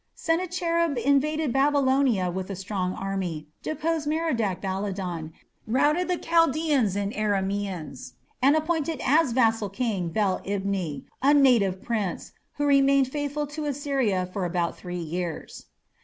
Sennacherib invaded Babylonia with a strong army, deposed Merodach Baladan, routed the Chaldaeans and Aramaeans, and appointed as vassal king Bel ibni, a native prince, who remained faithful to Assyria for about three years.